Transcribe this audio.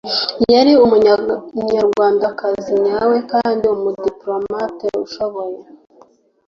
Yari umunyarwandakazi nyawe kandi umudipolomate ushoboye.